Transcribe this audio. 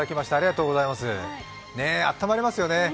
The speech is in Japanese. あったまりますよね。